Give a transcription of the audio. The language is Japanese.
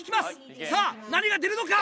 さぁ何が出るのか？